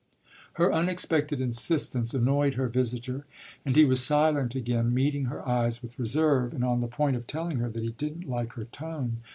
Her unexpected insistence annoyed her visitor, and he was silent again, meeting her eyes with reserve and on the point of telling her that he didn't like her tone.